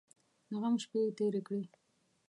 د غم شپې یې تېرې کړې.